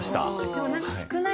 でも何か少ないぞ。